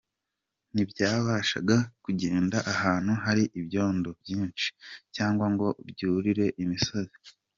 Ntibyabashaga kugenda ahantu hari ibyondo byinshi cyangwa ngo byurire imisozi.